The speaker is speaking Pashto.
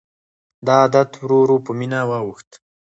دا عادت ورو ورو په مینه واوښت.